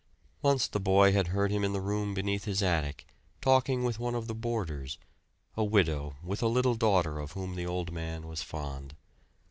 Once the boy had heard him in the room beneath his attic, talking with one of the boarders, a widow with a little daughter of whom the old man was fond.